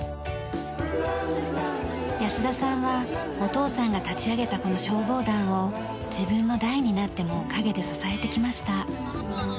安田さんはお父さんが立ち上げたこの消防団を自分の代になっても陰で支えてきました。